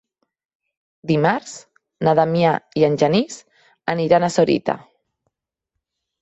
Dimarts na Damià i en Genís aniran a Sorita.